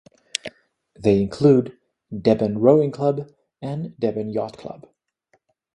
They include Deben Rowing Club and Deben Yacht Club.